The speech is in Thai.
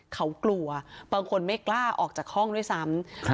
เขากลัวบางคนไม่กล้าออกจากห้องด้วยซ้ำ